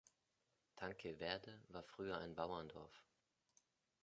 Tanque Verde war früher ein Bauerndorf.